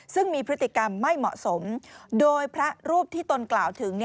ซึ่งมีพฤติกรรมไม่เหมาะสมโดยพระรูปที่ตนกล่าวถึง